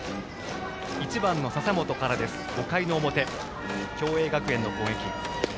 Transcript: １番の笹本から、５回の表共栄学園の攻撃。